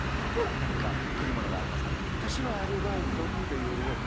何かくるものがありますか？